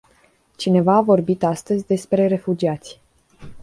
Cineva a vorbit astăzi despre refugiați.